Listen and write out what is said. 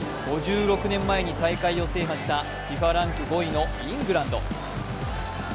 ５６年前に大会を制覇したＦＩＦＡランク５位のイングランド。